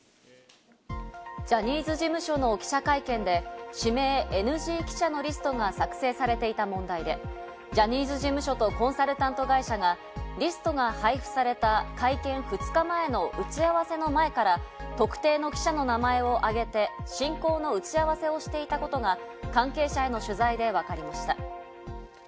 ジャニーズ事務所の記者会見で指名ＮＧ記者のリストが作成されていた問題で、ジャニーズ事務所とコンサルタント会社が、リストが配布された会見２日前の打ち合わせの前から、特定の記者の名前を挙げて進行の打ち合わせをしていたことが関係者への取材でわかりました。